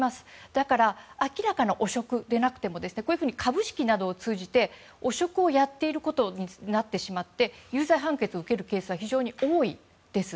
だから明らかな汚職でなくてもこういうふうに株式などを通じて汚職をやっていることになってしまって有罪判決を受けるケースが非常に多いです。